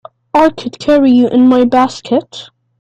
I could carry you in my basket.